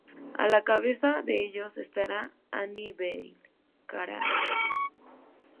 A la cabeza de ellos estará Annibale Carracci.